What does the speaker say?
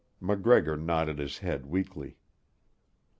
MacGregor nodded his head weakly.